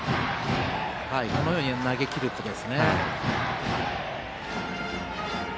このように投げきることですね。